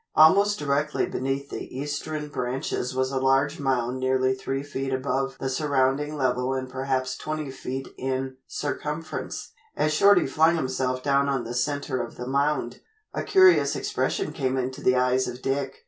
Almost directly beneath the eastern branches was a large mound nearly three feet above the surrounding level and perhaps twenty feet in circumference. As Shorty flung himself down on the centre of the mound, a curious expression came into the eyes of Dick.